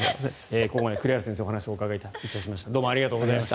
ここまで栗原先生にお話をお伺いしました。